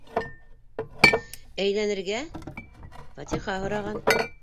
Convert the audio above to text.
Әйләнергә... фатиха һораған.